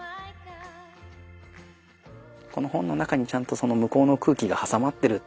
この本の中にちゃんとその向こうの空気が挟まってる。